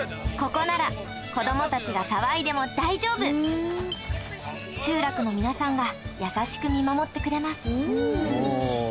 ここなら子供たちが騒いでも大丈夫集落の皆さんが優しく見守ってくれます